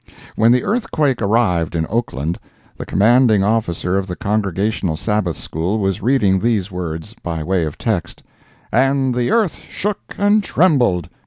When the earthquake arrived in Oakland, the commanding officer of the Congregational Sabbath School was reading these words, by way of text: "And the earth shook and trembled!"